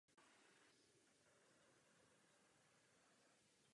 Tento program trvá dodnes.